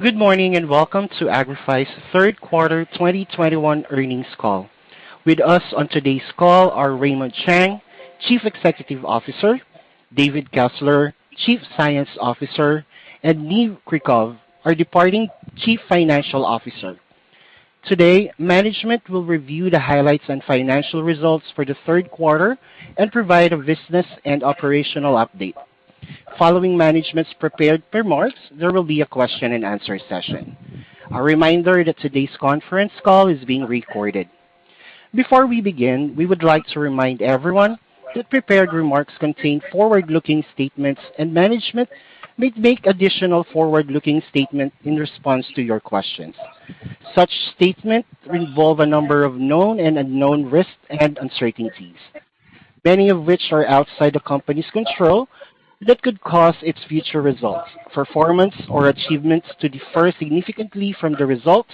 Good morning, and welcome to Agrify's Q3 2021 Earnings Call. With us on today's call are Raymond Chang, Chief Executive Officer, David Kessler, Chief Science Officer, and Niv Krikov, our departing Chief Financial Officer. Today, management will review the highlights and financial results for the Q3 and provide a business and operational update. Following management's prepared remarks, there will be a question and answer session. A reminder that today's conference call is being recorded. Before we begin, we would like to remind everyone that prepared remarks contain forward-looking statements and management may make additional forward-looking statements in response to your questions. Such statements involve a number of known and unknown risks and uncertainties, many of which are outside the company's control, that could cause its future results, performance, or achievements to differ significantly from the results,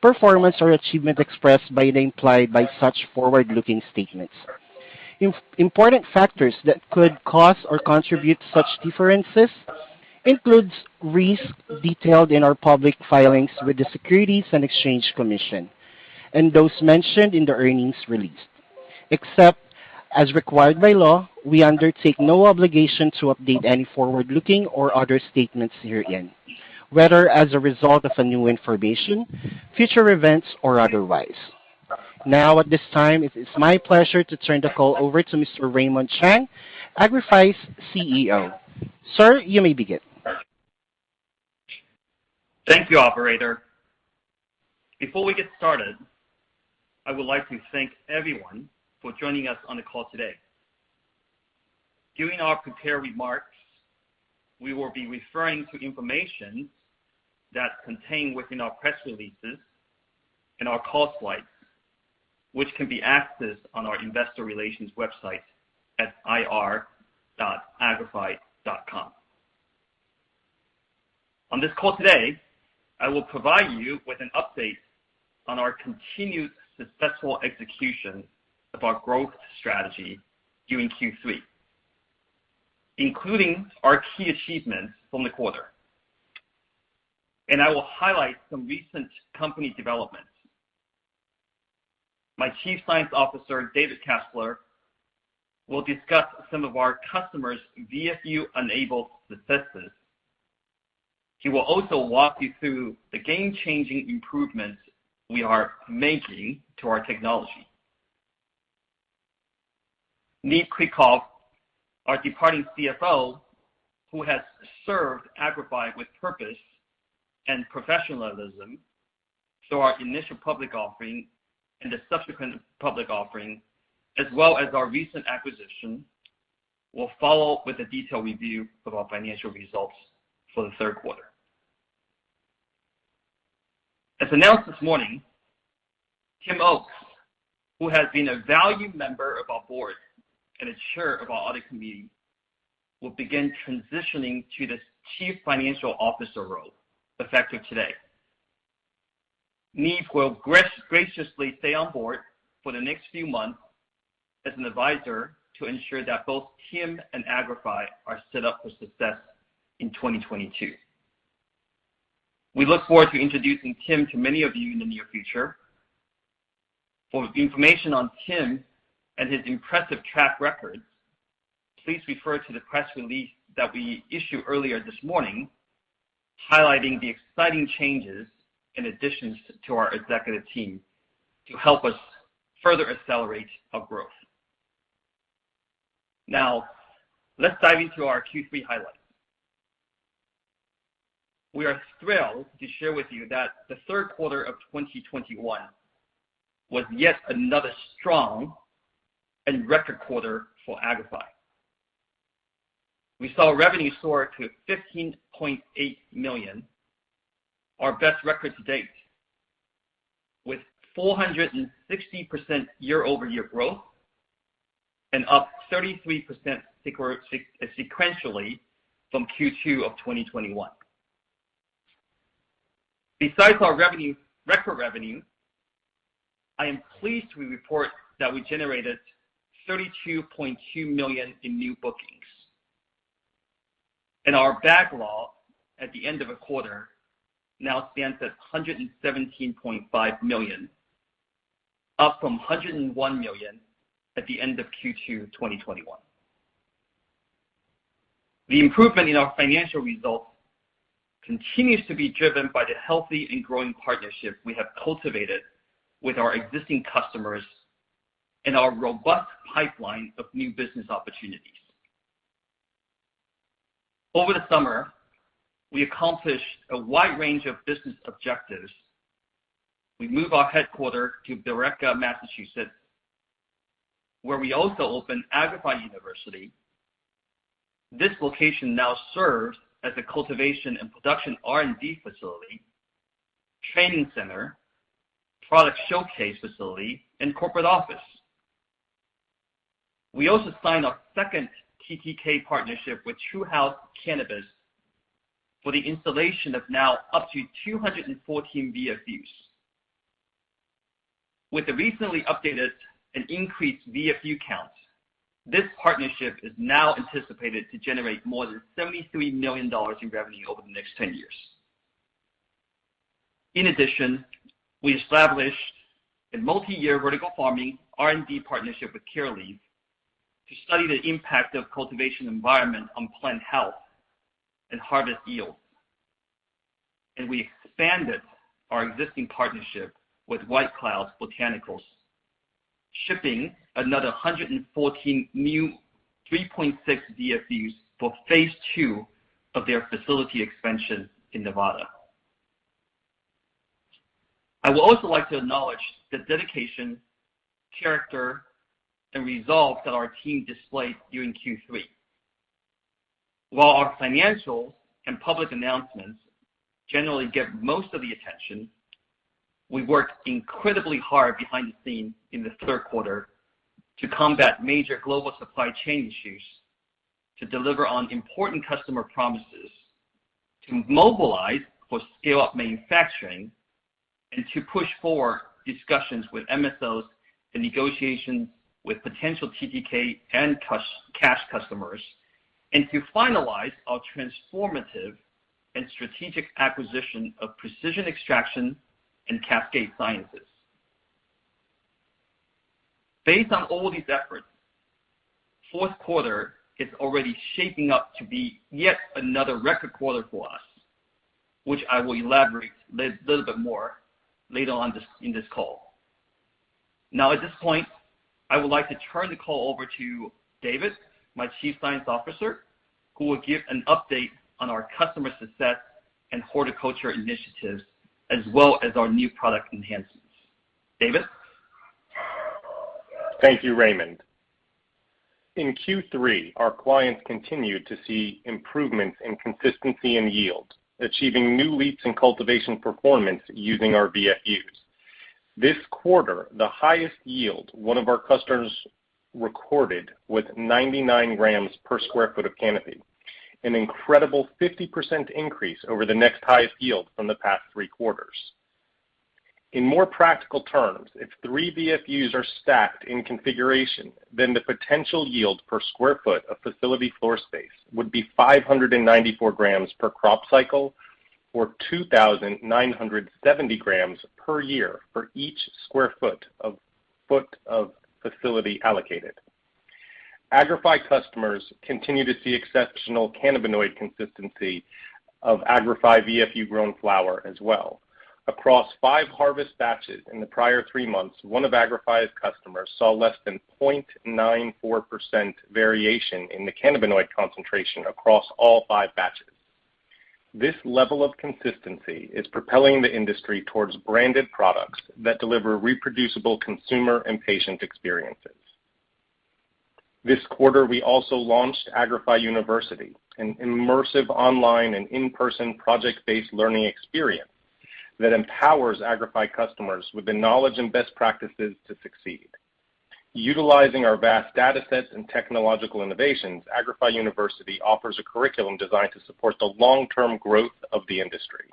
performance, or achievement expressed by or implied by such forward-looking statements. Important factors that could cause or contribute to such differences include risks detailed in our public filings with the Securities and Exchange Commission and those mentioned in the earnings release. Except as required by law, we undertake no obligation to update any forward-looking or other statements herein, whether as a result of new information, future events, or otherwise. Now, at this time, it is my pleasure to turn the call over to Mr. Raymond Chang, Agrify's CEO. Sir, you may begin. Thank you, operator. Before we get started, I would like to thank everyone for joining us on the call today. During our prepared remarks, we will be referring to information that's contained within our press releases and our call slides, which can be accessed on our investor relations website at ir.agrify.com. On this call today, I will provide you with an update on our continued successful execution of our growth strategy during Q3, including our key achievements from the quarter. I will highlight some recent company developments. My Chief Science Officer, David Kessler, will discuss some of our customers' VFU-enabled successes. He will also walk you through the game-changing improvements we are making to our technology. Niv Krikov, our departing CFO, who has served Agrify with purpose and professionalism through our initial public offering and the subsequent public offering, as well as our recent acquisition, will follow with a detailed review of our financial results for the Q3. As announced this morning, Tim Oakes, who has been a valued member of our board and a chair of our audit committee, will begin transitioning to the Chief Financial Officer role, effective today. Niv will graciously stay on board for the next few months as an advisor to ensure that both Tim and Agrify are set up for success in 2022. We look forward to introducing Tim to many of you in the near future. For information on Tim and his impressive track record, please refer to the press release that we issued earlier this morning, highlighting the exciting changes in addition to our executive team to help us further accelerate our growth. Now, let's dive into our Q3 highlights. We are thrilled to share with you that the Q3 of 2021 was yet another strong and record quarter for Agrify. We saw revenue soar to $15.8 million, our best record to date. With 460% year-over-year growth and up 33% sequentially from Q2 of 2021. Besides our record revenue, I am pleased to report that we generated $32.2 million in new bookings. Our backlog at the end of the quarter now stands at $117.5 million, up from $101 million at the end of Q2 2021. The improvement in our financial results continues to be driven by the healthy and growing partnership we have cultivated with our existing customers and our robust pipeline of new business opportunities. Over the summer, we accomplished a wide range of business objectives. We moved our headquarters to Billerica, Massachusetts, where we also opened Agrify University. This location now serves as a cultivation and production R&D facility, training center, product showcase facility, and corporate office. We also signed our second TTK partnership with True House Cannabis for the installation of now up to 214 VFUs. With the recently updated and increased VFU counts, this partnership is now anticipated to generate more than $73 million in revenue over the next 10 years. In addition, we established a multiyear vertical farming R&D partnership with Curaleaf to study the impact of cultivation environment on plant health and harvest yield. We expanded our existing partnership with WhiteCloud Botanicals, shipping another 114 new 3.6 VFUs for phase two of their facility expansion in Nevada. I would also like to acknowledge the dedication, character, and resolve that our team displayed during Q3. While our financials and public announcements generally get most of the attention, we worked incredibly hard behind the scene in the Q3 to combat major global supply chain issues, to deliver on important customer promises, to mobilize for scale-up manufacturing, and to push forward discussions with MSOs and negotiations with potential TTK and cash customers, and to finalize our transformative and strategic acquisition of Precision Extraction and Cascade Sciences. Based on all these efforts, Q4 is already shaping up to be yet another record quarter for us, which I will elaborate a little bit more later on this, in this call. Now at this point, I would like to turn the call over to David, my Chief Science Officer, who will give an update on our customer success and horticulture initiatives as well as our new product enhancements. David? Thank you, Raymond. In Q3, our clients continued to see improvements in consistency and yield, achieving new leaps in cultivation performance using our VFUs. This quarter, the highest yield one of our customers recorded with 99 grams per sq ft of canopy, an incredible 50% increase over the next highest yield from the past three quarters. In more practical terms, if 3 VFUs are stacked in configuration, then the potential yield per sq ft of facility floor space would be 594 grams per crop cycle, or 2,970 grams per year for each sq ft of facility allocated. Agrify customers continue to see exceptional cannabinoid consistency of Agrify VFU-grown flower as well. Across five harvest batches in the prior three months, one of Agrify's customers saw less than 0.94% variation in the cannabinoid concentration across all five batches. This level of consistency is propelling the industry towards branded products that deliver reproducible consumer and patient experiences. This quarter, we also launched Agrify University, an immersive online and in-person project-based learning experience that empowers Agrify customers with the knowledge and best practices to succeed. Utilizing our vast data sets and technological innovations, Agrify University offers a curriculum designed to support the long-term growth of the industry.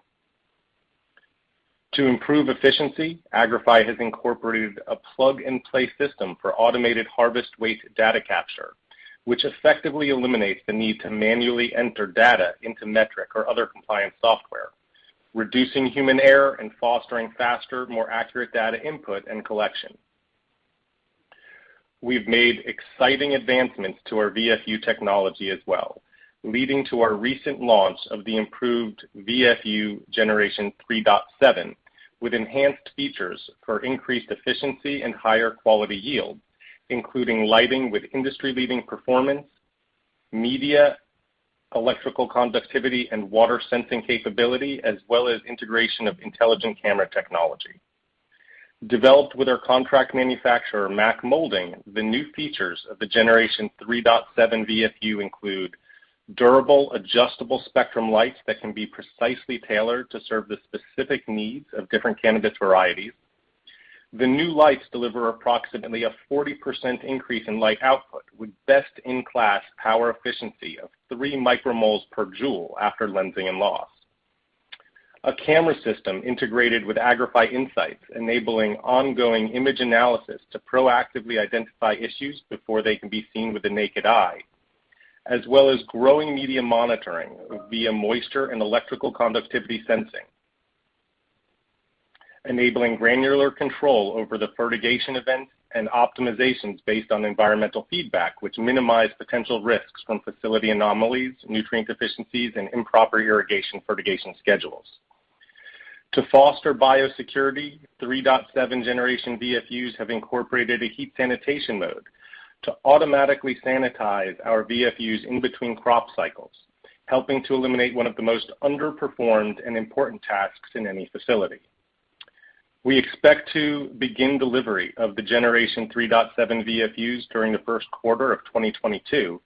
To improve efficiency, Agrify has incorporated a plug-and-play system for automated harvest waste data capture, which effectively eliminates the need to manually enter data into Metrc or other compliance software, reducing human error and fostering faster, more accurate data input and collection. We've made exciting advancements to our VFU technology as well, leading to our recent launch of the improved VFU Generation 3.7, with enhanced features for increased efficiency and higher quality yield, including lighting with industry-leading performance, media, electrical conductivity, and water sensing capability, as well as integration of intelligent camera technology. Developed with our contract manufacturer, Mack Molding, the new features of the Generation 3.7 VFU include durable, adjustable spectrum lights that can be precisely tailored to serve the specific needs of different cannabis varieties. The new lights deliver approximately a 40% increase in light output with best-in-class power efficiency of 3 micromoles per joule after lensing and loss. A camera system integrated with Agrify Insights, enabling ongoing image analysis to proactively identify issues before they can be seen with the naked eye, as well as growing media monitoring via moisture and electrical conductivity sensing, enabling granular control over the fertigation events and optimizations based on environmental feedback, which minimize potential risks from facility anomalies, nutrient deficiencies, and improper irrigation fertigation schedules. To foster biosecurity, Generation 3.7 VFUs have incorporated a heat sanitation mode to automatically sanitize our VFUs in between crop cycles, helping to eliminate one of the most underperformed and important tasks in any facility. We expect to begin delivery of the Generation 3.7 VFUs during the Q1 of 2022,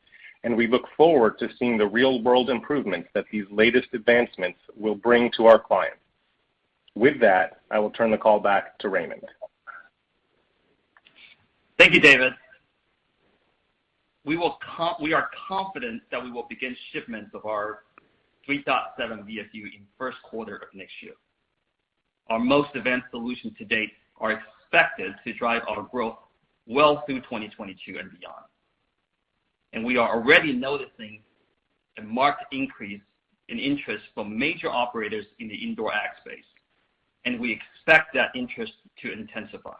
and we look forward to seeing the real-world improvements that these latest advancements will bring to our clients. With that, I will turn the call back to Raymond. Thank you, David. We are confident that we will begin shipments of our 3.7 VFU in Q1 of next year. Our most advanced solutions to date are expected to drive our growth well through 2022 and beyond. We are already noticing a marked increase in interest from major operators in the indoor ag space, and we expect that interest to intensify.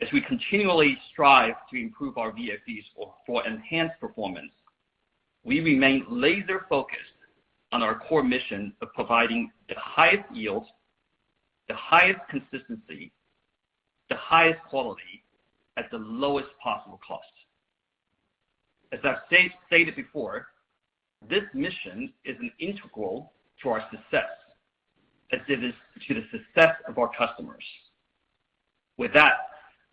As we continually strive to improve our VFUs for enhanced performance, we remain laser focused on our core mission of providing the highest yields, the highest consistency, the highest quality at the lowest possible cost. As I've stated before, this mission is integral to our success as it is to the success of our customers. With that,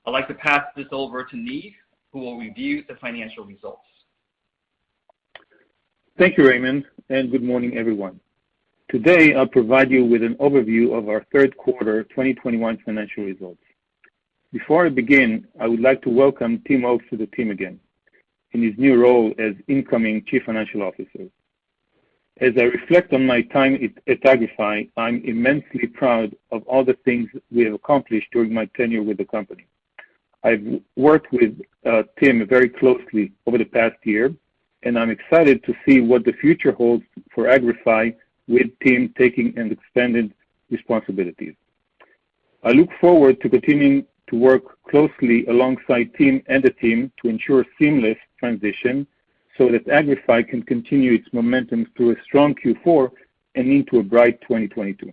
I'd like to pass this over to Niv, who will review the financial results. Thank you, Raymond, and good morning, everyone. Today, I'll provide you with an overview of our Q3 2021 financial results. Before I begin, I would like to welcome Tim Oakes to the team again in his new role as incoming Chief Financial Officer. As I reflect on my time at Agrify, I'm immensely proud of all the things we have accomplished during my tenure with the company. I've worked with Tim very closely over the past year, and I'm excited to see what the future holds for Agrify with Tim taking an expanded responsibilities. I look forward to continuing to work closely alongside Tim and the team to ensure seamless transition so that Agrify can continue its momentum through a strong Q4 and into a bright 2022.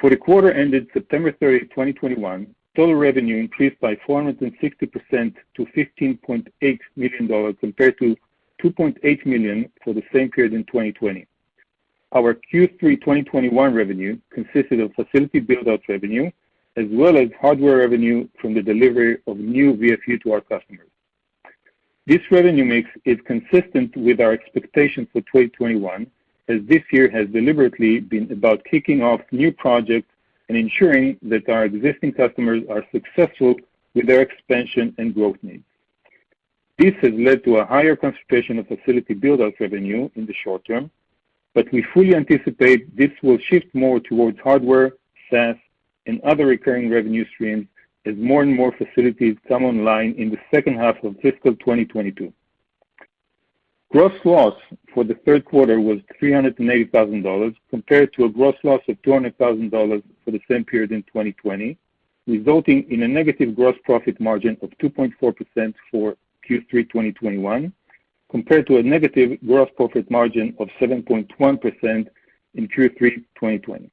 For the quarter ended September 30, 2021, total revenue increased by 460% to $15.8 million compared to $2.8 million for the same period in 2020. Our Q3 2021 revenue consisted of facility build-out revenue as well as hardware revenue from the delivery of new VFU to our customers. This revenue mix is consistent with our expectations for 2021, as this year has deliberately been about kicking off new projects and ensuring that our existing customers are successful with their expansion and growth needs. This has led to a higher concentration of facility build-out revenue in the short term, but we fully anticipate this will shift more towards hardware, SaaS, and other recurring revenue streams as more and more facilities come online in the H2 of fiscal 2022. Gross loss for the Q3 was $380,000, compared to a gross loss of $200,000 for the same period in 2020, resulting in a negative gross profit margin of 2.4% for Q3 2021, compared to a negative gross profit margin of 7.1% in Q3 2020.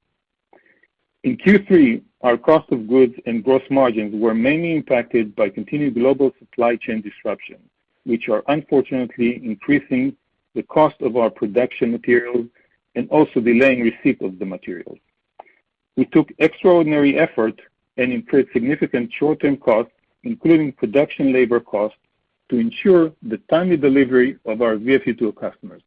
In Q3, our cost of goods and gross margins were mainly impacted by continued global supply chain disruption, which are unfortunately increasing the cost of our production materials and also delaying receipt of the materials. We took extraordinary effort and incurred significant short-term costs, including production labor costs, to ensure the timely delivery of our VFU to our customers.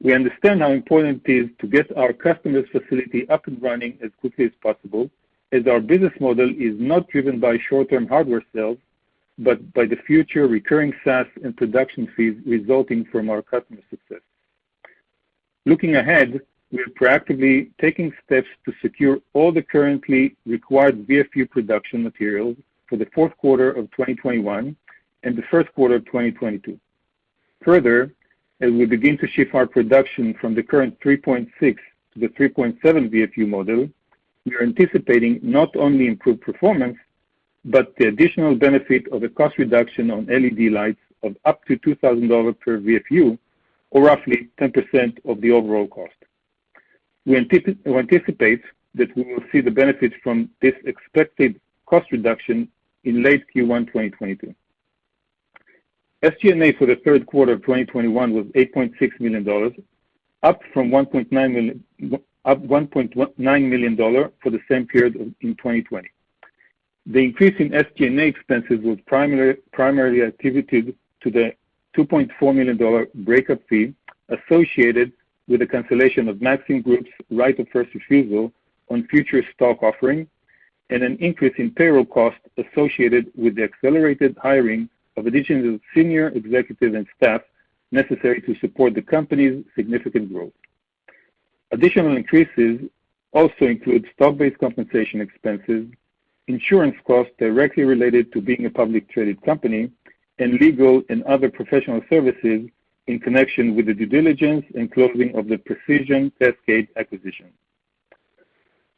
We understand how important it is to get our customer's facility up and running as quickly as possible, as our business model is not driven by short-term hardware sales, but by the future recurring SaaS and production fees resulting from our customer success. Looking ahead, we are proactively taking steps to secure all the currently required VFU production materials for the Q4 of 2021 and the Q1 of 2022. Further, as we begin to shift our production from the current 3.6 to the 3.7 VFU model, we are anticipating not only improved performance, but the additional benefit of a cost reduction on LED lights of up to $2,000 per VFU, or roughly 10% of the overall cost. We anticipate that we will see the benefits from this expected cost reduction in late Q1 2022. SG&A for the Q3 of 2021 was $8.6 million, up from $1.9 million, up $1.9 million for the same period in 2020. The increase in SG&A expenses was primarily attributed to the $2.4 million breakup fee associated with the cancellation of Maxim Group's right of first refusal on future stock offerings and an increase in payroll costs associated with the accelerated hiring of additional senior executives and staff necessary to support the company's significant growth. Additional increases also include stock-based compensation expenses, insurance costs directly related to being a publicly traded company, and legal and other professional services in connection with the due diligence and closing of the Precision Cascade acquisition.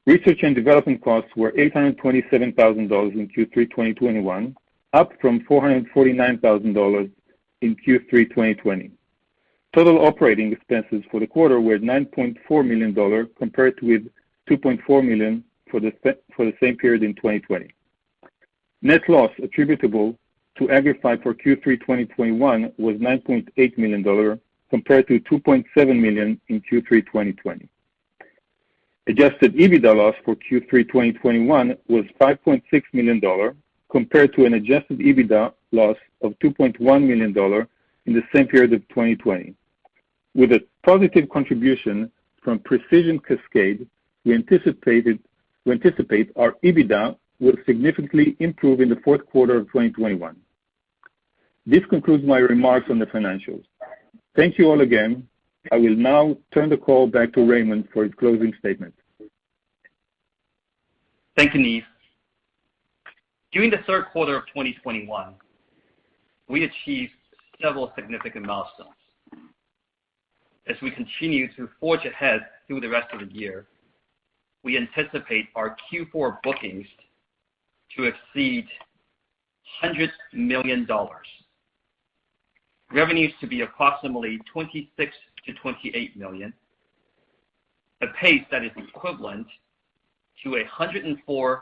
Research and development costs were $827,000 in Q3 2021, up from $449,000 in Q3 2020. Total operating expenses for the quarter were $9.4 million, compared with $2.4 million for the same period in 2020. Net loss attributable to Agrify for Q3 2021 was $9.8 million compared to $2.7 million in Q3 2020. Adjusted EBITDA loss for Q3 2021 was $5.6 million compared to an adjusted EBITDA loss of $2.1 million in the same period of 2020. With a positive contribution from Precision Cascade, we anticipate our EBITDA will significantly improve in the Q4 of 2021. This concludes my remarks on the financials. Thank you all again. I will now turn the call back to Raymond for his closing statement. Thank you, Niv. During the Q3 of 2021, we achieved several significant milestones. As we continue to forge ahead through the rest of the year, we anticipate our Q4 bookings to exceed hundreds of millions of dollars. Revenues to be approximately $26 million-$28 million, a pace that is equivalent to a $104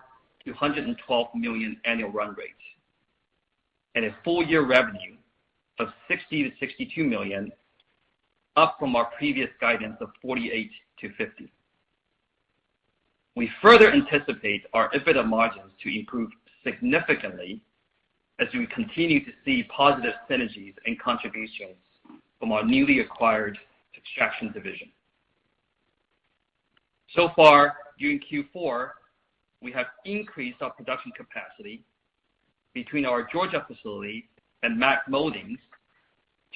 million-$112 million annual run rate. A full year revenue of $60 million-$62 million, up from our previous guidance of $48 million-$50 million. We further anticipate our EBITDA margins to improve significantly as we continue to see positive synergies and contributions from our newly acquired extraction division. So far, during Q4, we have increased our production capacity between our Georgia facility and Mack Molding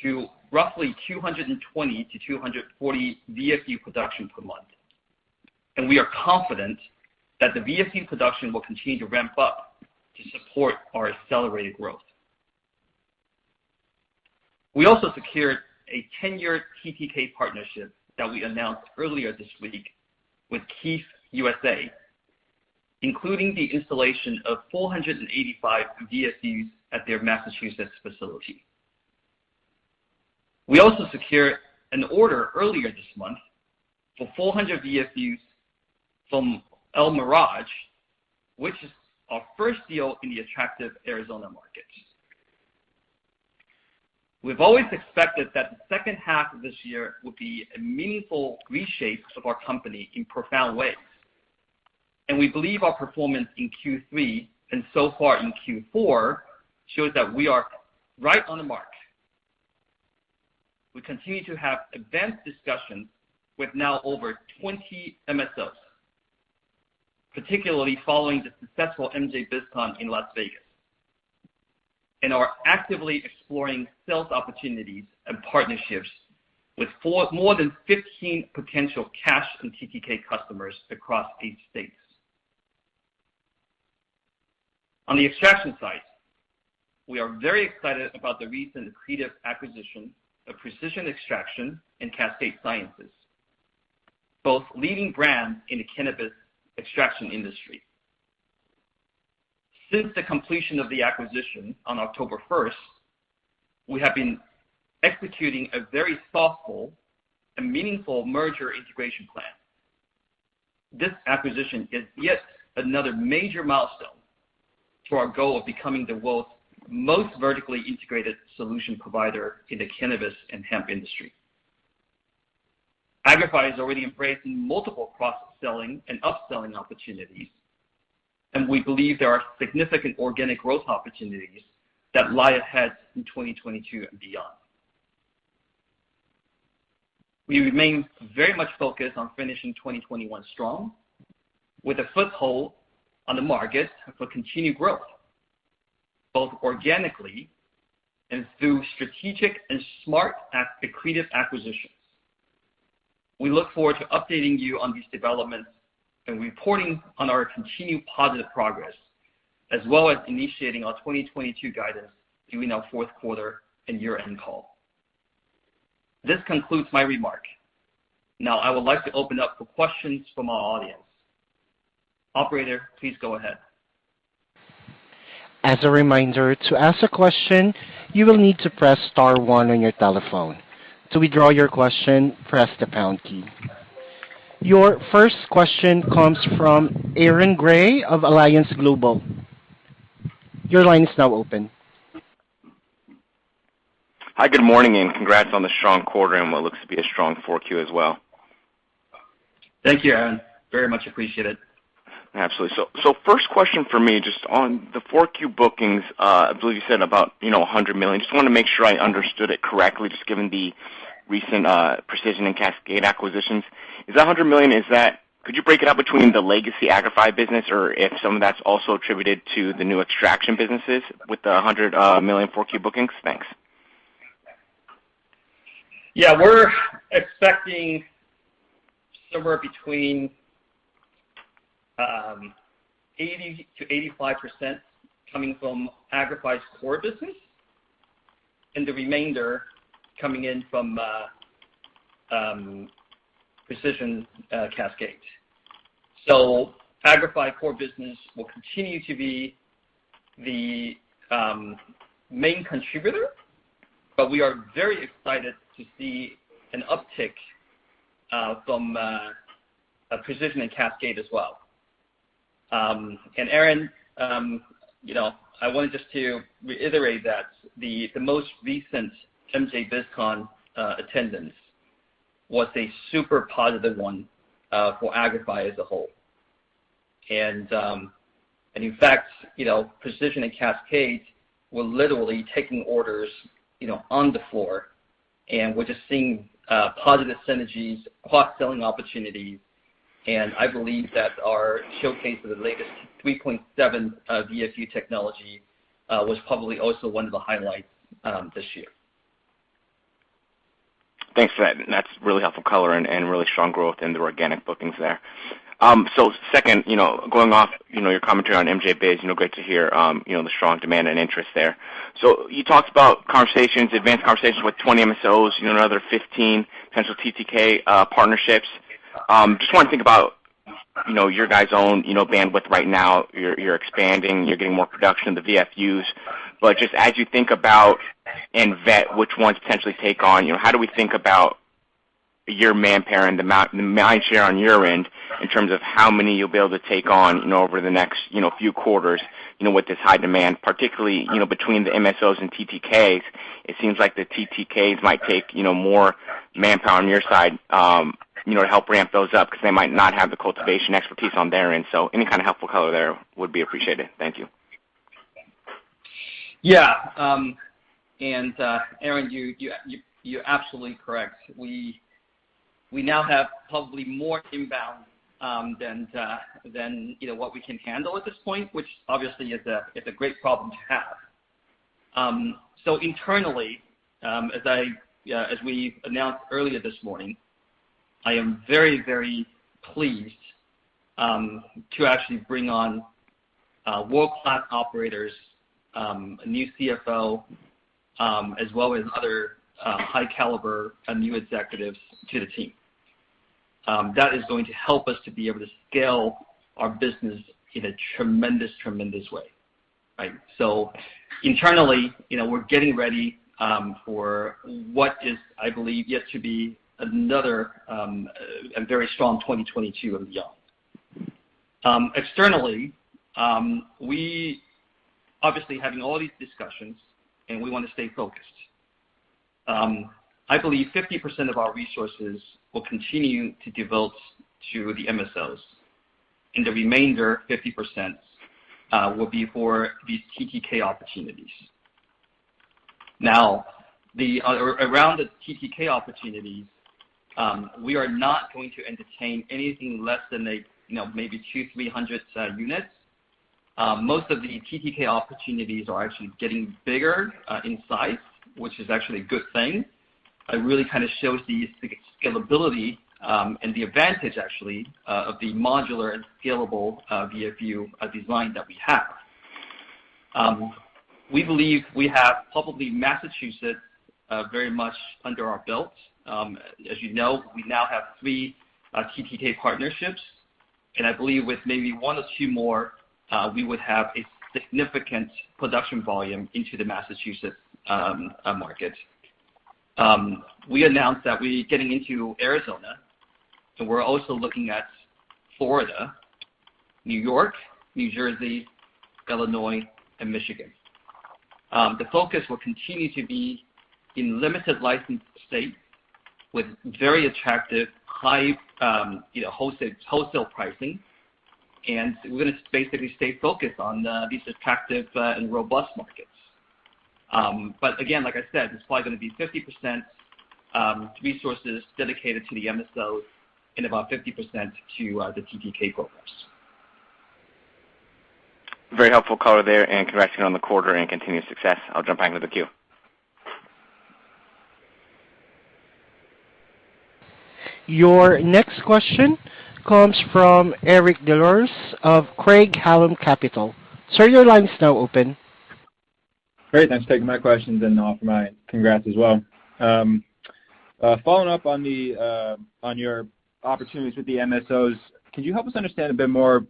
to roughly 220-240 VFU production per month. We are confident that the VFU production will continue to ramp up to support our accelerated growth. We also secured a 10-year TTK partnership that we announced earlier this week with Kief USA, including the installation of 485 VFUs at their Massachusetts facility. We also secured an order earlier this month for 400 VFUs from Olive El Mirage, which is our first deal in the attractive Arizona market. We've always expected that the H2 of this year would be a meaningful reshape of our company in profound ways, and we believe our performance in Q3 and so far in Q4 shows that we are right on the mark. We continue to have advanced discussions with now over 20 MSOs, particularly following the successful MJBizCon in Las Vegas, and are actively exploring sales opportunities and partnerships with more than 15 potential cash and TTK customers across 8 states. On the extraction side, we are very excited about the recent accretive acquisition of Precision Extraction Solutions and Cascade Sciences, both leading brands in the cannabis extraction industry. Since the completion of the acquisition on October 1, we have been executing a very thoughtful and meaningful merger integration plan. This acquisition is yet another major milestone to our goal of becoming the world's most vertically integrated solution provider in the cannabis and hemp industry. Agrify is already embracing multiple cross-selling and upselling opportunities, and we believe there are significant organic growth opportunities that lie ahead in 2022 and beyond. We remain very much focused on finishing 2021 strong, with a foothold on the market for continued growth, both organically and through strategic and smart accretive acquisitions. We look forward to updating you on these developments and reporting on our continued positive progress, as well as initiating our 2022 guidance during our Q4 and year-end call. This concludes my remark. Now, I would like to open up for questions from our audience. Operator, please go ahead. As a reminder, to ask a question, you will need to press star one on your telephone. To withdraw your question, press the pound key. Your first question comes from Aaron Grey of Alliance Global. Your line is now open. Hi, good morning, and congrats on the strong quarter and what looks to be a strong Q4 as well. Thank you, Aaron. I very much appreciate it. Absolutely. First question for me, just on the 4Q bookings, I believe you said about, you know, $100 million. Just want to make sure I understood it correctly, just given the recent Precision and Cascade acquisitions. Is that $100 million? Could you break it up between the legacy Agrify business or if some of that's also attributed to the new extraction businesses with the $100 million 4Q bookings? Thanks. Yeah. We're expecting somewhere between 80%-85% coming from Agrify's core business and the remainder coming in from Precision and Cascade. Agrify core business will continue to be the main contributor, but we are very excited to see an uptick from Precision and Cascade as well. Aaron, you know, I wanted just to reiterate that the most recent MJBizCon attendance was a super positive one for Agrify as a whole. In fact, you know, Precision and Cascade were literally taking orders, you know, on the floor. We're just seeing positive synergies, cross-selling opportunities. I believe that our showcase for the latest 3.7 VFU technology was probably also one of the highlights this year. Thanks for that. That's really helpful color and really strong growth in the organic bookings there. Second, you know, going off, you know, your commentary on MJBiz, you know, great to hear, you know, the strong demand and interest there. You talked about conversations, advanced conversations with 20 MSOs, you know, another 15 potential TTK partnerships. Just want to think about, you know, your guys' own, you know, bandwidth right now. You're expanding, you're getting more production in the VFUs. As you think about and vet which ones to potentially take on, you know, how do we think about your manpower and the mindshare on your end in terms of how many you'll be able to take on, you know, over the next, you know, few quarters, you know, with this high demand? Particularly, you know, between the MSOs and TTKs, it seems like the TTKs might take, you know, more manpower on your side, to help ramp those up because they might not have the cultivation expertise on their end. Any helpful color there would be appreciated. Thank you. Aaron, you're absolutely correct. We now have probably more inbound than you know what we can handle at this point, which obviously is a great problem to have. Internally, as we announced earlier this morning, I am very, very pleased to actually bring on world-class operators, a new CFO, as well as other high caliber and new executives to the team. That is going to help us to be able to scale our business in a tremendous way, right? Internally, you know, we're getting ready for what I believe is yet to be another very strong 2022 and beyond. Externally, we obviously having all these discussions, and we want to stay focused. I believe 50% of our resources will continue to devote to the MSOs, and the remainder 50%, will be for the TTK opportunities. Now, around the TTK opportunities, we are not going to entertain anything less than, you know, maybe 200-300 units. Most of the TTK opportunities are actually getting bigger in size, which is actually a good thing. It shows the scalability, and the advantage actually of the modular and scalable VFU design that we have. We believe we have probably Massachusetts very much under our belt. As you know, we now have three TTK partnerships. I believe with maybe one or two more, we would have a significant production volume into the Massachusetts market. We announced that we're getting into Arizona, so we're also looking at Florida, New York, New Jersey, Illinois, and Michigan. The focus will continue to be in limited licensed states with very attractive high, you know, wholesale pricing, and we're going to basically stay focused on these attractive and robust markets. Again, like I said, it's probably going to be 50% resources dedicated to the MSOs and about 50% to the TTK growers. Very helpful color there, and congrats again on the quarter and continued success. I'll jump back to the queue. Your next question comes from Eric Des Lauriers of Craig-Hallum Capital. Sir, your line is now open. Great. Thanks for taking my questions and offer my congrats as well. Following up on your opportunities with the MSOs, can you help us understand a bit more,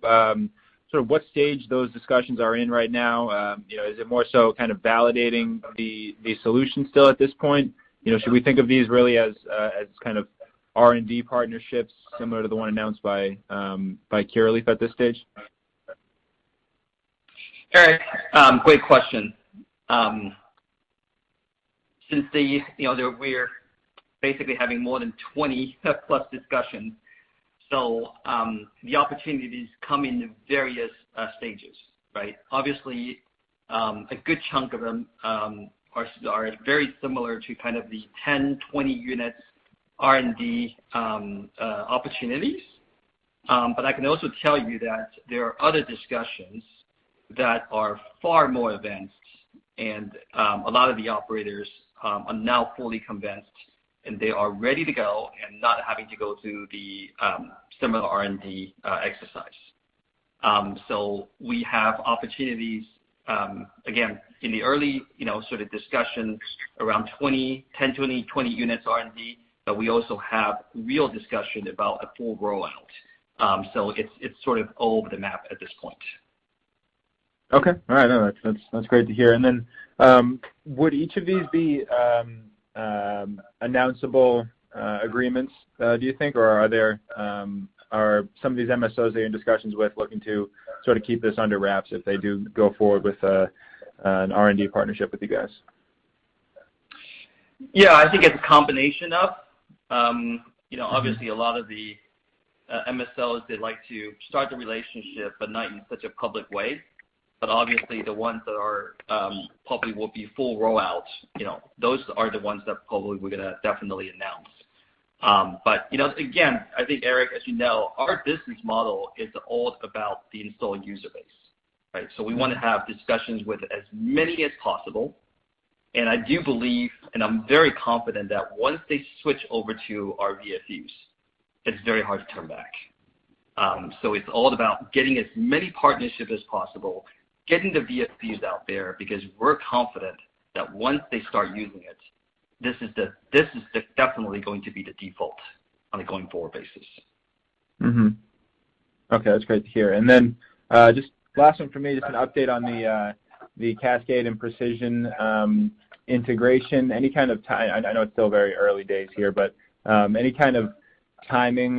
what stage those discussions are in right now? You know, is it more validating the solution still at this point? You know, should we think of these really as R&D partnerships similar to the one announced by Curaleaf at this stage? Eric, great question. Since then, you know, we're basically having more than 20+ discussions, so the opportunities come in various stages, right? Obviously, a good chunk of them are very similar to the 10, 20 units R&D opportunities. I can also tell you that there are other discussions that are far more advanced and a lot of the operators are now fully convinced, and they are ready to go and not having to go through the similar R&D exercise. We have opportunities again in the early, you know, discussions around 20, 10, 20 units R&D, but we also have real discussion about a full rollout. It's all over the map at this point. Okay. All right. No, that's great to hear. Then, would each of these be announceable agreements, do you think? Are there some of these MSOs that you're in discussions with looking to keep this under wraps if they do go forward with an R&D partnership with you guys? Yeah, I think it's a combination of, you know, obviously a lot of the MSOs, they like to start the relationship, but not in such a public way. Obviously, the ones that are probably will be full rollout, you know, those are the ones that probably we're going to definitely announce. You know, again, I think, Eric, as you know, our business model is all about the installed user base, right? We want to have discussions with as many as possible. I do believe, and I'm very confident that once they switch over to our VFUs, it's very hard to turn back. It's all about getting as many partnership as possible, getting the VFUs out there because we're confident that once they start using it, this is definitely going to be the default on a going forward basis. Mm-hmm. Okay, that's great to hear. Then, just last one for me, just an update on the Cascade and Precision integration. I know it's still very early days here, but any timing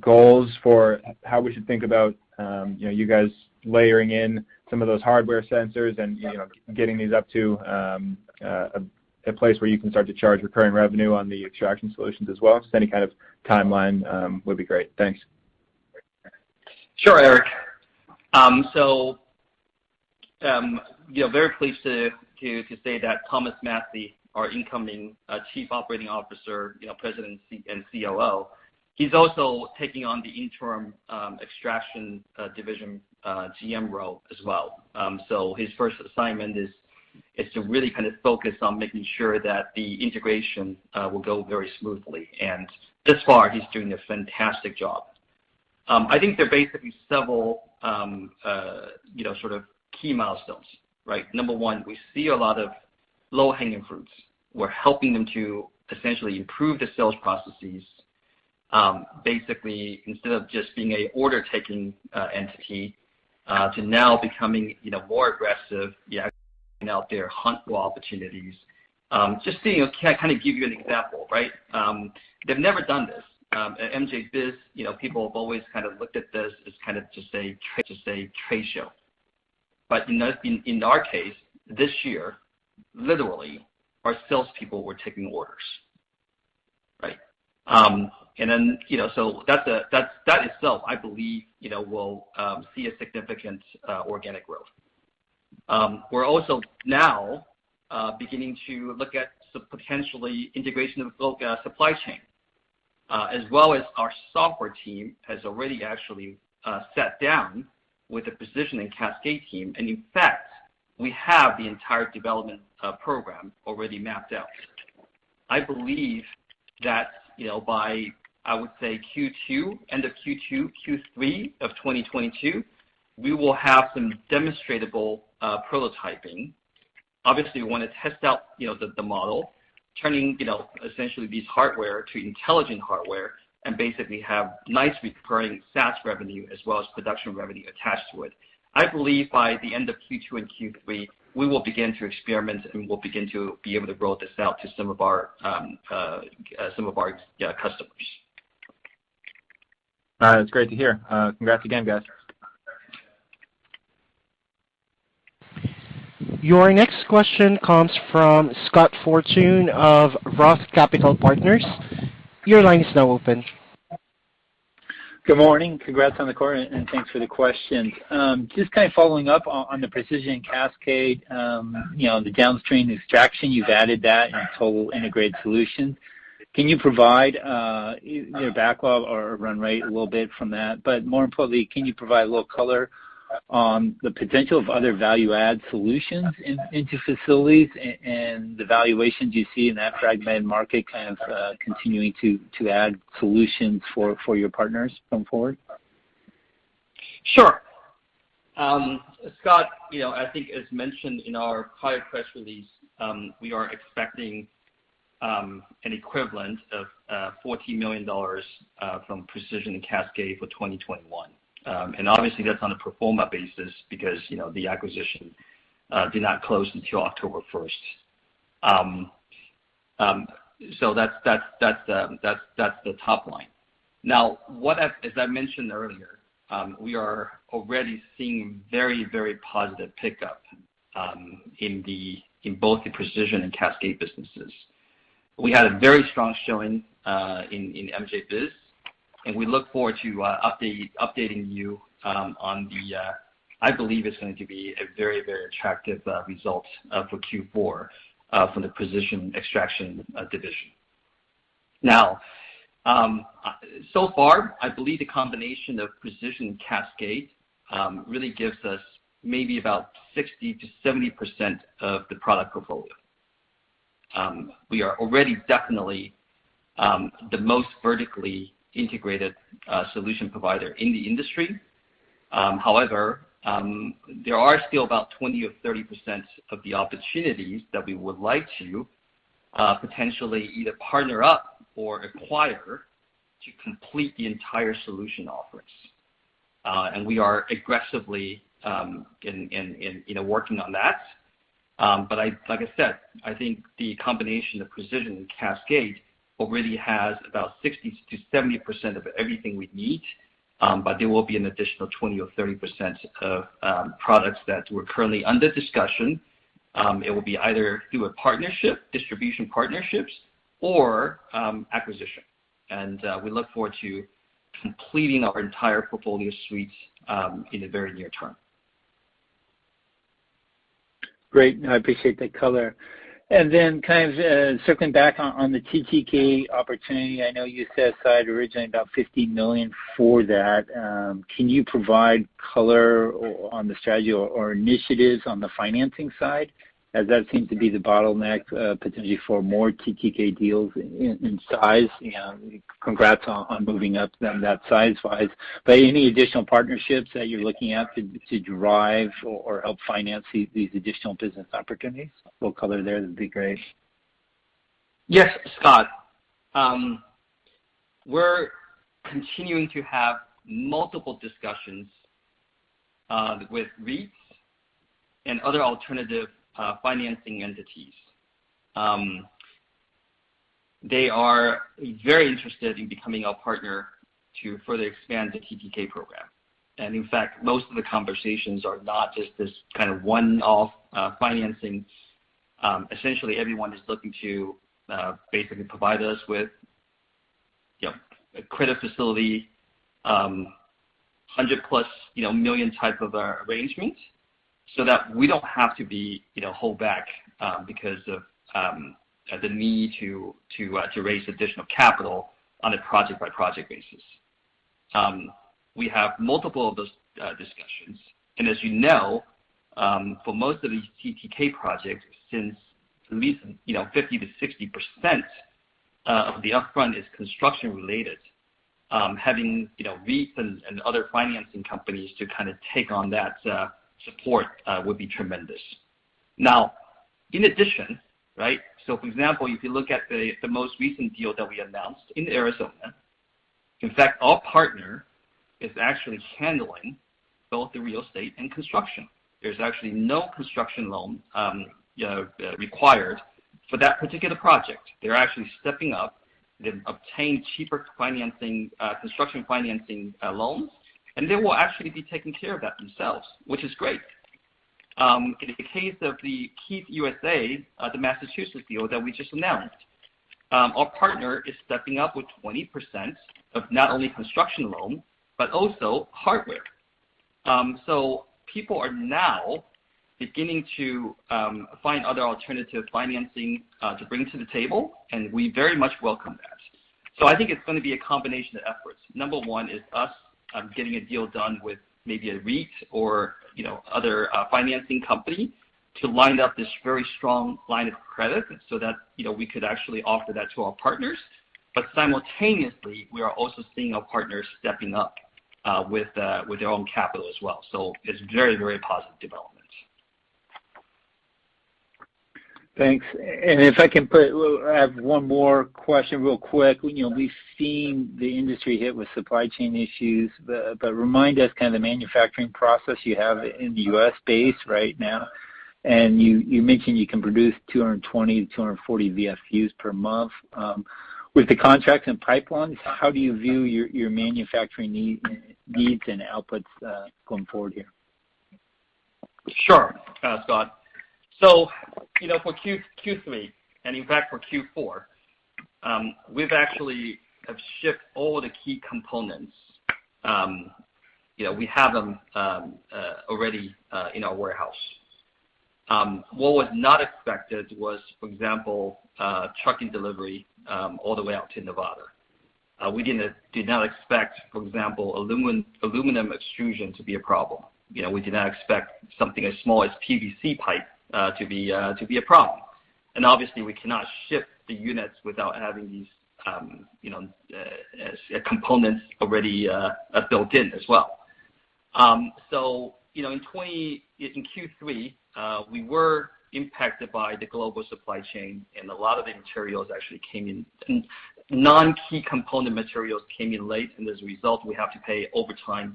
goals for how we should think about, you know, you guys layering in some of those hardware sensors and, you know, getting these up to a place where you can start to charge recurring revenue on the extraction solutions as well. Just any timeline would be great. Thanks. Sure, Eric. You know, very pleased to say that Thomas Massie, our incoming Chief Operating Officer, President and COO, he's also taking on the interim extraction division GM role as well. His first assignment is to focus on making sure that the integration will go very smoothly. Thus far, he's doing a fantastic job. I think there are basically several key milestones, right? Number one, we see a lot of low-hanging fruits. We're helping them to essentially improve the sales processes, basically, instead of just being an order-taking entity to now becoming more aggressive, yeah, out there hunt for opportunities. Can I give you an example, right? They've never done this. At MJBiz, you know, people have always looked at this as just a trade, just a trade show. In our case, this year, literally, our salespeople were taking orders, right? Then, you know, so that's that itself, I believe, you know, will see a significant organic growth. We're also now beginning to look at some potential integration of local supply chain, as well as our software team has already actually sat down with a person in the Cascade team. In fact, we have the entire development program already mapped out. I believe that, you know, by, I would say Q2, end of Q2, Q3 of 2022, we will have some demonstrable prototyping. Obviously, we want to test out, you know, the model, turning, you know, essentially these hardware to intelligent hardware and basically have nice recurring SaaS revenue as well as production revenue attached to it. I believe by the end of Q2 and Q3, we will begin to experiment, and we'll begin to be able to roll this out to some of our customers. All right. It's great to hear. Congrats again, guys. Your next question comes from Scott Fortune of ROTH Capital Partners. Your line is now open. Good morning. Congrats on the quarter, and thanks for the questions. Following up on the Precision Cascade, you know, the downstream extraction, you've added that in a total integrated solution. Can you provide you know, backlog or run rate a little bit from that? More importantly, can you provide a little color on the potential of other value add solutions into facilities and the valuations you see in that fragmented market continuing to add solutions for your partners going forward? Sure. Scott, you know, I think as mentioned in our prior press release, we are expecting an equivalent of $40 million from Precision and Cascade for 2021. Obviously, that's on a pro forma basis because, you know, the acquisition did not close until October first. So that's the top line. Now, as I mentioned earlier, we are already seeing very, very positive pickup in both the Precision and Cascade businesses. We had a very strong showing in MJBiz, and we look forward to updating you on the. I believe it's going to be a very, very attractive result for Q4 from the Precision Extraction division. Now, so far, I believe the combination of Precision and Cascade really gives us maybe about 60%-70% of the product portfolio. We are already definitely the most vertically integrated solution provider in the industry. However, there are still about 20% or 30% of the opportunities that we would like to potentially either partner up or acquire to complete the entire solution offerings. We are aggressively, you know, working on that. Like I said, I think the combination of Precision and Cascade already has about 60%-70% of everything we need. There will be an additional 20% or 30% of products that we're currently under discussion. It will be either through a partnership, distribution partnerships or acquisition. We look forward to completing our entire portfolio suites in the very near term. Great. No, I appreciate that color. Then circling back on the TTK opportunity. I know you set aside originally about $50 million for that. Can you provide color on the strategy or initiatives on the financing side, as that seems to be the bottleneck potentially for more TTK deals in size? Congrats on moving up that size-wise. Any additional partnerships that you're looking at to drive or help finance these additional business opportunities? A little color there would be great. Yes, Scott. We're continuing to have multiple discussions with REITs and other alternative financing entities. They are very interested in becoming our partner to further expand the TTK program. In fact, most of the conversations are not just this one-off financing. Essentially everyone is looking to basically provide us with, you know, a credit facility, $100+ million type of arrangements so that we don't have to be, you know, hold back because of the need to raise additional capital on a project-by-project basis. We have multiple of those discussions. As you know, for most of these TTK projects, since at least 50%-60% of the upfront is construction related, having REITs and other financing companies to take on that support would be tremendous. Now, in addition, right? For example, if you look at the most recent deal that we announced in Arizona, in fact, our partner is actually handling both the real estate and construction. There's actually no construction loan required for that particular project. They're actually stepping up. They've obtained cheaper financing, construction financing loans, and they will actually be taking care of that themselves, which is great. In the case of the Kief USA, the Massachusetts deal that we just announced, our partner is stepping up with 20% of not only construction loan but also hardware. People are now beginning to find other alternative financing to bring to the table, and we very much welcome that. I think it's going to be a combination of efforts. Number one is us getting a deal done with maybe a REIT or, you know, other financing company to line up this very strong line of credit so that, you know, we could actually offer that to our partners. Simultaneously, we are also seeing our partners stepping up with their own capital as well. It's very, very positive developments. Thanks. I have one more question real quick. You know, we've seen the industry hit with supply chain issues, but remind us the manufacturing process you have in the U.S. base right now. You mentioned you can produce 200-240 VFUs per month. With the contracts and pipelines, how do you view your manufacturing needs and outputs going forward here? Sure, Scott. You know, for Q3 and in fact for Q4, we've actually have shipped all the key components. You know, we have them already in our warehouse. What was not expected was, for example, trucking delivery all the way out to Nevada. We did not expect, for example, aluminum extrusion to be a problem. You know, we did not expect something as small as PVC pipe to be a problem. Obviously, we cannot ship the units without having these components already built in as well. You know, in Q3, we were impacted by the global supply chain, and a lot of the materials actually came in. Non-key component materials came in late, and as a result, we have to pay overtime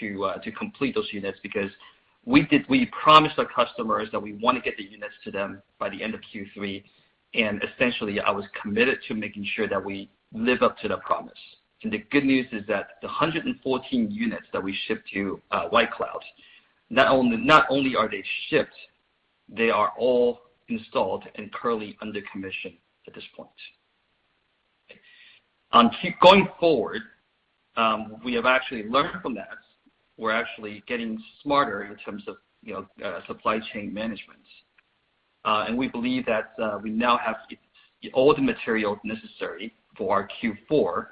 to complete those units because we promised our customers that we want to get the units to them by the end of Q3. Essentially, I was committed to making sure that we live up to that promise. The good news is that the 114 units that we shipped to WhiteCloud, not only are they shipped, they are all installed and currently under commission at this point. Going forward, we have actually learned from that. We're actually getting smarter in terms of you know supply chain management. We believe that we now have all the materials necessary for our Q4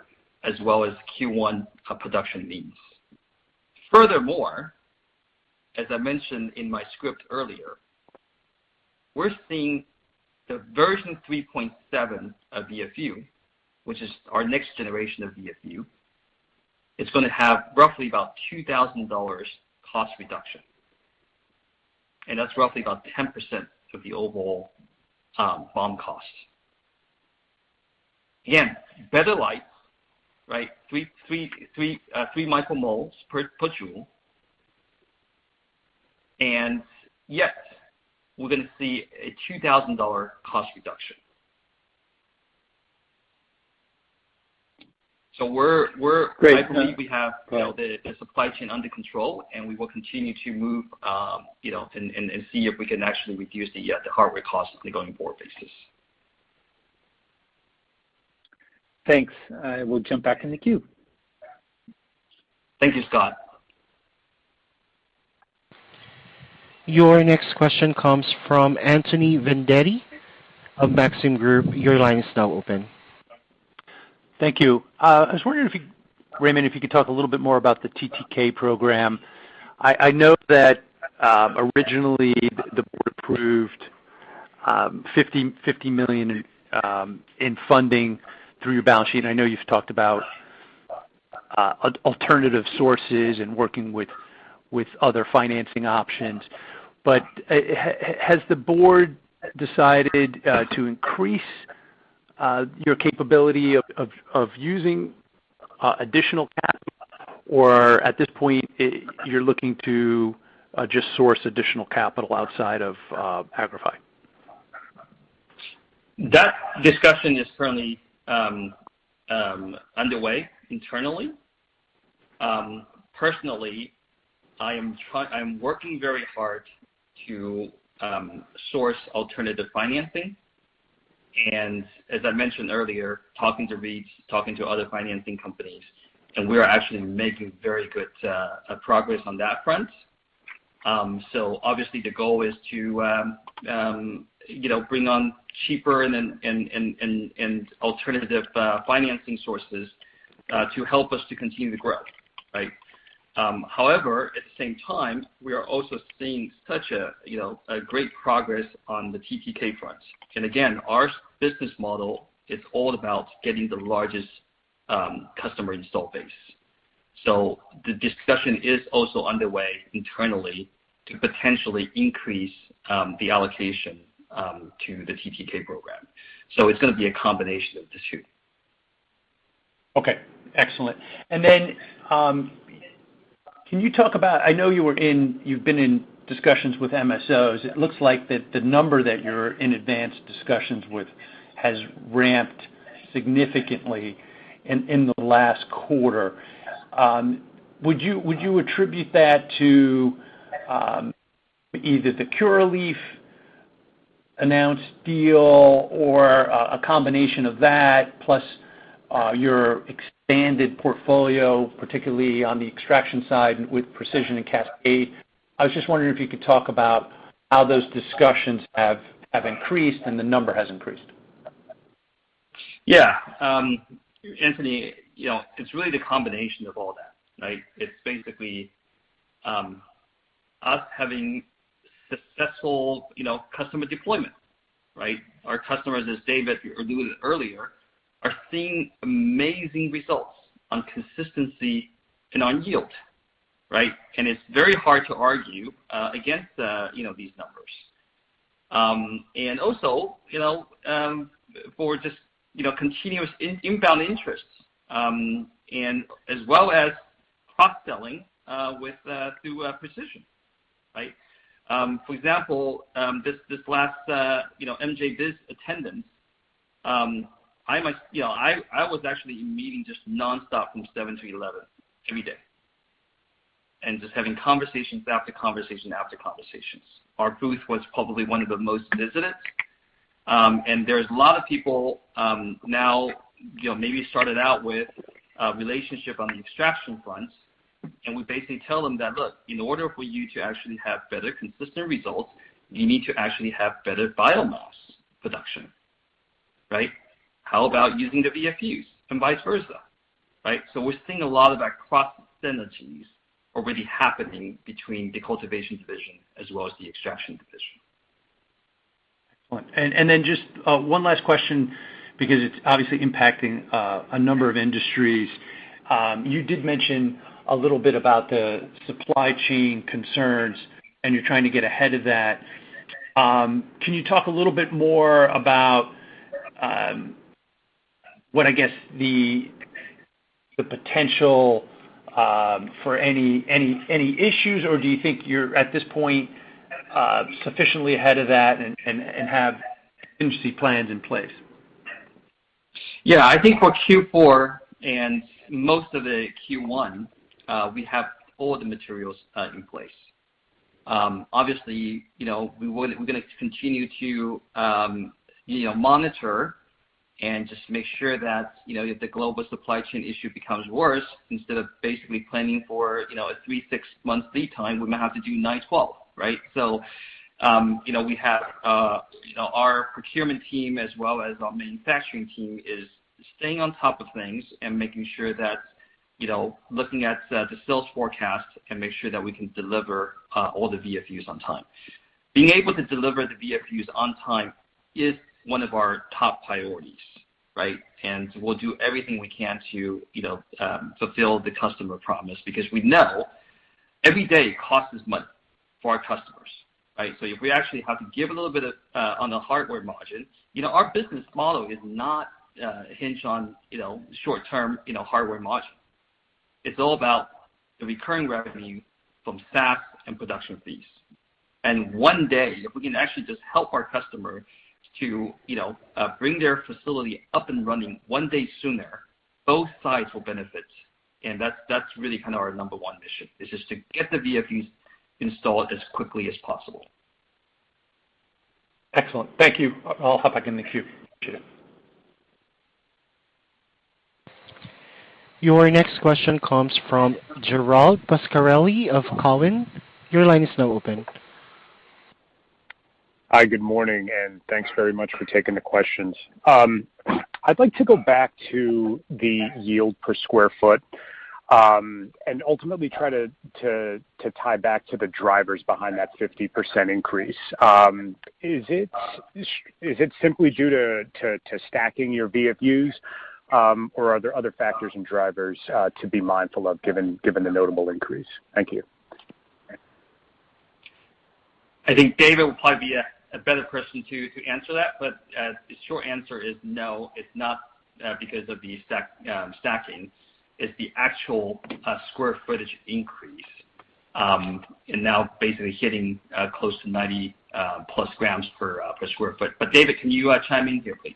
as well as Q1 production needs. Furthermore, as I mentioned in my script earlier, we're seeing the version 3.7 of VFU, which is our next generation of VFU. It's going to have roughly about $2,000 cost reduction, and that's roughly about 10% of the overall BOM costs. Again, better light, right? 3.3 micromoles per joule. Yes, we're going to see a $2,000 cost reduction. So we're Great. I believe we have, you know, the supply chain under control, and we will continue to move, you know, and see if we can actually reduce the hardware costs in a going forward basis. Thanks. I will jump back in the queue. Thank you, Scott. Your next question comes from Anthony Vendetti of Maxim Group. Your line is now open. Thank you. I was wondering if you, Raymond, if you could talk a little bit more about the TTK program. I know that originally the board approved $50 million in funding through your balance sheet, and I know you've talked about alternative sources and working with other financing options. Has the board decided to increase your capability of using additional capital? Or at this point, you're looking to just source additional capital outside of Agrify? That discussion is currently underway internally. Personally, I'm working very hard to source alternative financing and as I mentioned earlier, talking to REITs, talking to other financing companies, and we are actually making very good progress on that front. Obviously the goal is to, you know, bring on cheaper and then alternative financing sources to help us to continue to grow, right? However, at the same time, we are also seeing such a, you know, great progress on the TTK front. Again, our business model is all about getting the largest customer install base. The discussion is also underway internally to potentially increase the allocation to the TTK program. It's going to be a combination of the two. Okay. Excellent. Can you talk about I know you've been in discussions with MSOs. It looks like that the number that you're in advanced discussions with has ramped significantly in the last quarter. Would you attribute that to either the Curaleaf announced deal or a combination of that plus your expanded portfolio, particularly on the extraction side with Precision and Cascade? I was just wondering if you could talk about how those discussions have increased and the number has increased. Yeah. Anthony, you know, it's really the combination of all that, right? It's basically us having successful, you know, customer deployment, right? Our customers, as David alluded earlier, are seeing amazing results on consistency and on yield, right? It's very hard to argue against, you know, these numbers. Also, you know, for just, you know, continuous inbound interests, and as well as cross-selling with through Precision, right? For example, this last, you know, MJBiz attendance, you know, I was actually in meetings just nonstop from 7 till 11 every day and just having conversation after conversation. Our booth was probably one of the most visited. There's a lot of people now, you know, maybe started out with a relationship on the extraction front, and we basically tell them that, "Look, in order for you to actually have better consistent results, you need to actually have better biomass production," right? How about using the VFUs and vice versa, right? We're seeing a lot of our cross synergies already happening between the cultivation division as well as the extraction division. One last question because it's obviously impacting a number of industries. You did mention a little bit about the supply chain concerns, and you're trying to get ahead of that. Can you talk a little bit more about what I guess the potential for any issues, or do you think you're at this point sufficiently ahead of that and have contingency plans in place? Yeah. I think for Q4 and most of the Q1, we have all the materials in place. Obviously, you know, we're going to continue to, you know, monitor and just make sure that, you know, if the global supply chain issue becomes worse, instead of basically planning for, you know, a 3-6-month lead time, we might have to do 9-12, right? You know, we have, you know, our procurement team as well as our manufacturing team staying on top of things and making sure that, you know, looking at the sales forecast and make sure that we can deliver all the VFUs on time. Being able to deliver the VFUs on time is one of our top priorities, right? We'll do everything we can to, you know, fulfill the customer promise because we know every day costs as much for our customers, right? If we actually have to give a little bit off on the hardware margin, you know, our business model is not hinged on, you know, short-term, you know, hardware margin. It's all about the recurring revenue from SaaS and production fees. One day, if we can actually just help our customer to, you know, bring their facility up and running one day sooner, both sides will benefit. That's our number one mission, is just to get the VFUs installed as quickly as possible. Excellent. Thank you. I'll hop back in the queue. Appreciate it. Your next question comes from Gerald Pascarelli of Cowen. Your line is now open. Hi, good morning, and thanks very much for taking the questions. I'd like to go back to the yield per sq ft, and ultimately try to tie back to the drivers behind that 50% increase. Is it simply due to stacking your VFUs, or are there other factors and drivers to be mindful of given the notable increase? Thank you. I think David will probably be a better person to answer that. The short answer is no, it's not because of the stacking. It's the actual square footage increase and now basically hitting close to 90+ grams per sq ft. David, can you chime in here, please?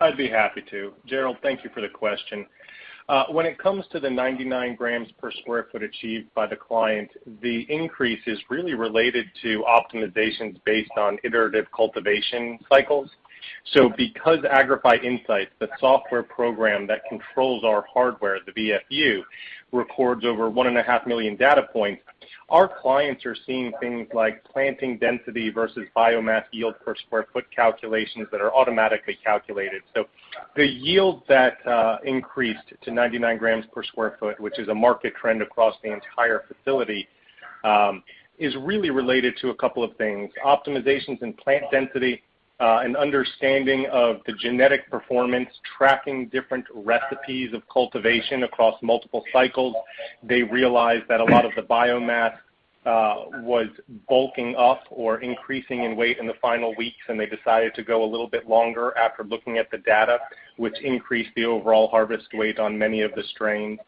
I'd be happy to. Gerald, thank you for the question. When it comes to the 99 grams per sq ft achieved by the client, the increase is really related to optimizations based on iterative cultivation cycles. Because Agrify Insights, the software program that controls our hardware, the VFU, records over 1.5 million data points, our clients are seeing things like planting density versus biomass yield per sq ft calculations that are automatically calculated. The yield that increased to 99 grams per sq ft, which is a market trend across the entire facility, is really related to a couple of things, optimizations in plant density, and understanding of the genetic performance, tracking different recipes of cultivation across multiple cycles. They realized that a lot of the biomass was bulking up or increasing in weight in the final weeks, and they decided to go a little bit longer after looking at the data, which increased the overall harvest weight on many of the strains.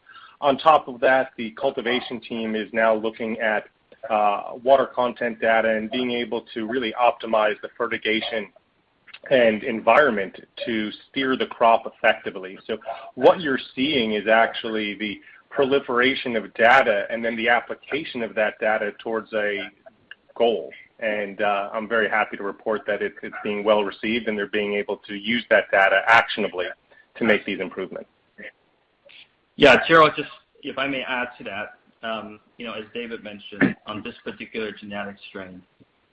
On top of that, the cultivation team is now looking at water content data and being able to really optimize the fertigation and environment to steer the crop effectively. What you're seeing is actually the proliferation of data and then the application of that data towards a goal. I'm very happy to report that it's being well received, and they're being able to use that data actionably to make these improvements. Yeah. Gerald, just if I may add to that, you know, as David mentioned, on this particular genetic strain,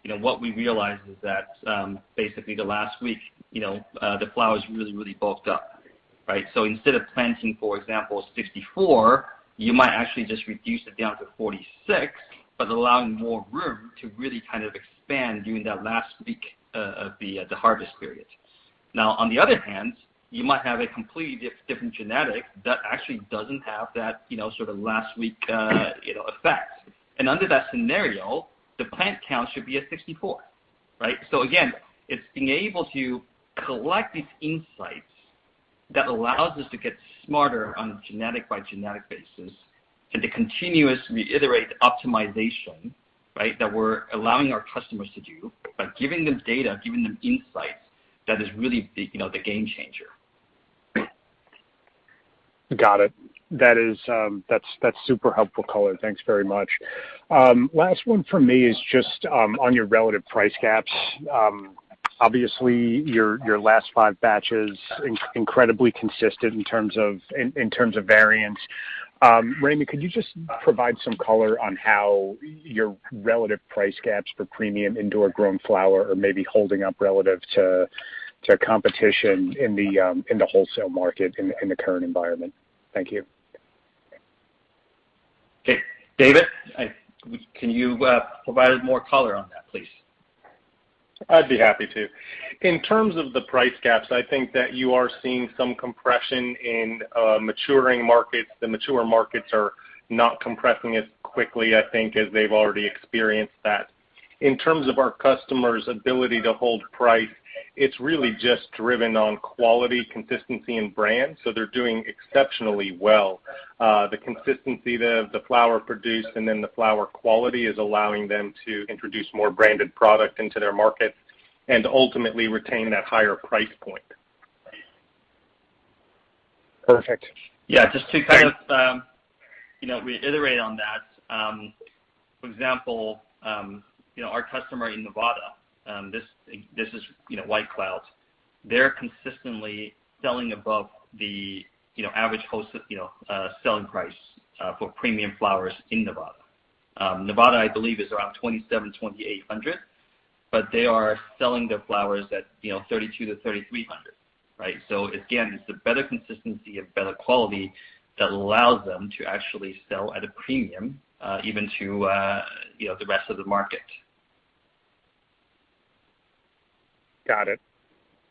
you know, what we realized is that, basically the last week, you know, the flowers really bulked up, right? So instead of planting, for example, 64, you might actually just reduce it down to 46, but allowing more room to really expand during that last week of the harvest period. Now on the other hand, you might have a completely different genetic that actually doesn't have that, you know, last week, you know, effect. Under that scenario, the plant count should be at 64, right? It's being able to collect these insights that allows us to get smarter on a genetic by genetic basis and to continuously reiterate optimization, right, that we're allowing our customers to do by giving them data, giving them insights that is really the, you know, the game changer. Got it. That is, that's super helpful color. Thanks very much. Last one for me is just on your relative price gaps. Obviously, your last five batches incredibly consistent in terms of variance. Raymond, could you just provide some color on how your relative price gaps for premium indoor grown flower are maybe holding up relative to competition in the wholesale market in the current environment? Thank you. Okay. David, can you provide more color on that, please? I'd be happy to. In terms of the price gaps, I think that you are seeing some compression in maturing markets. The mature markets are not compressing as quickly, I think, as they've already experienced that. In terms of our customers' ability to hold price, it's really just driven on quality, consistency, and brand, so they're doing exceptionally well. The consistency, the flower produced and then the flower quality is allowing them to introduce more branded product into their market and ultimately retain that higher price point. Perfect. Yeah. You know, reiterate on that, for example, you know, our customer in Nevada, this is, you know, White Cloud Botanicals. They're consistently selling above the, you know, average wholesale, you know, selling price, for premium flowers in Nevada. Nevada, I believe is around $2,700-$2,800, but they are selling their flowers at, you know, $3,200-$3,300, right? Again, it's the better consistency and better quality that allows them to actually sell at a premium, even to, you know, the rest of the market. Got it.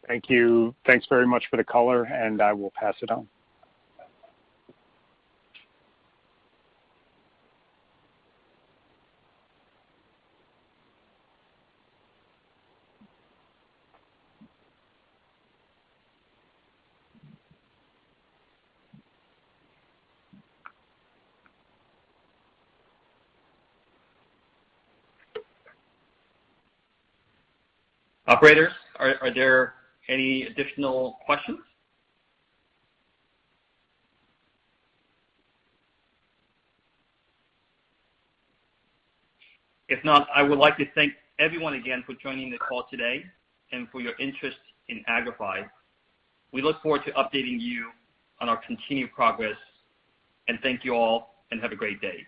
Thank you. Thanks very much for the color, and I will pass it on. Operator, are there any additional questions? If not, I would like to thank everyone again for joining the call today and for your interest in Agrify. We look forward to updating you on our continued progress. Thank you all, and have a great day.